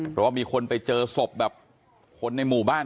เพราะว่ามีคนไปเจอศพแบบคนในหมู่บ้าน